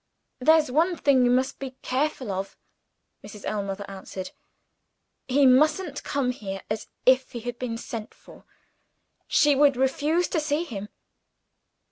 "There's one thing you must be careful of," Mrs. Ellmother answered. "He mustn't come here, as if he had been sent for she would refuse to see him."